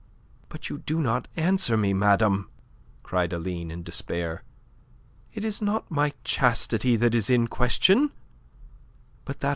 "But you do not answer me, madame!" cried Aline in despair. "It is not my chastity that is in question; but that of M.